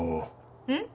うん？